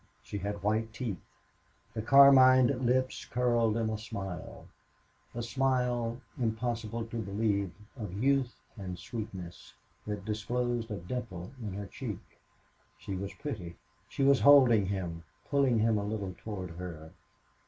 She had white teeth. The carmined lips curled in a smile a smile, impossible to believe, of youth and sweetness, that disclosed a dimple in her cheek. She was pretty. She was holding him, pulling him a little toward her.